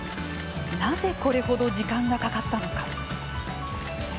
なぜ、これほど時間がかかったのか。